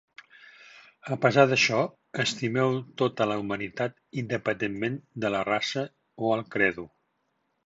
A pesar d'això, estimeu tota la humanitat independentment de la raça o el credo.